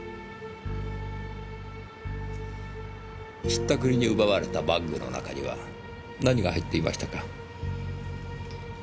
引ったくりに奪われたバッグの中には何が入っていましたか？